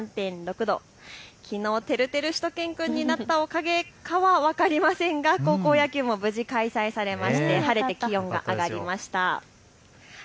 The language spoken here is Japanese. きのう、てるてるしゅと犬くんになったおかげかは分かりませんが高校野球も無事開催されまして、晴れて気温が上がりました。